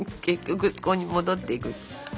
結局そこに戻っていく。